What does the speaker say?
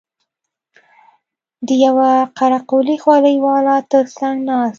د يوه قره قلي خولۍ والا تر څنگ ناست و.